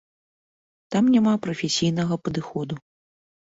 Там няма прафесійнага падыходу.